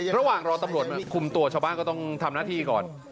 ระหว่างรอตำรวจคุมตัวชาวบ้านก็ต้องทำหน้าที่ก่อน